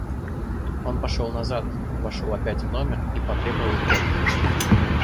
Он пошел назад, вошел опять в номер и потребовал кофе.